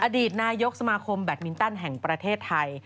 อดีตนายกสมาคมแบตมินตันแห่งประเทศไทย